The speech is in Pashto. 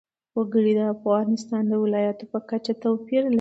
وګړي د افغانستان د ولایاتو په کچه توپیر لري.